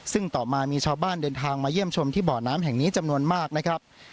ซึ่งต่อมามีชาวบ้านเดินทางมาเยี่ยมชมที่บ่อน้ำแห่งนี้จำนวนมากนะครับ